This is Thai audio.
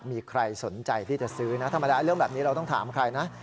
มีใครสนใจที่จะซื้อนะธรรมดาเรื่องแบบนี้เราต้องถามใครนะ